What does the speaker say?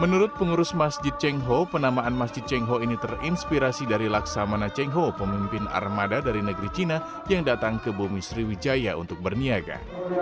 menurut pengurus masjid cengho penamaan masjid cengho ini terinspirasi dari laksamana cengho pemimpin armada dari negeri cina yang datang ke bumi sriwijaya untuk berniaga